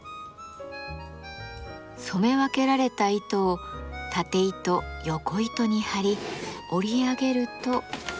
染め分けられた糸をたて糸よこ糸に張り織り上げると。